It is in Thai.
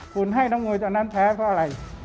คุณให้น้องมวยตอนนั้นแพ้เพราะอะไร